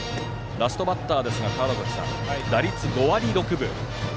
ラストバッターですが打率５割６分。